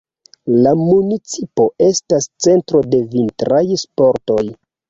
La municipo estas centro de vintraj sportoj.